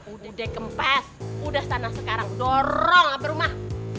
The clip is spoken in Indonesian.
udah deh kempes udah sana sekarang dorong abis rumah